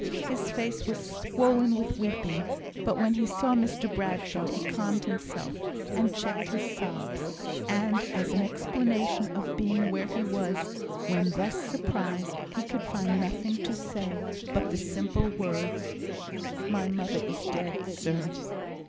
His face was swollen with weeping; but when he saw Mr Bradshaw he calmed himself, and checked his sobs, and, as an explanation of being where he was when thus surprised, he could find nothing to say but the simple words: "My mother is dead, sir."